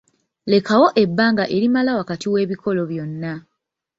Lekawo ebbanga erimala wakati w'ebikolo byonna.